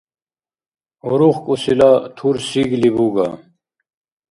УрухкӀусила тур сигли буга.